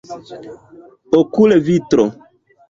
okulvitro